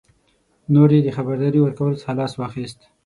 نور یې د خبرداري ورکولو څخه لاس واخیست.